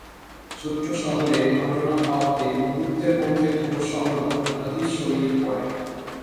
ছোট শহরে ঘটনা হওয়াতে মুহূর্তের মধ্যে পুরো শহরে ঘটনাটি ছড়িয়ে পড়ে।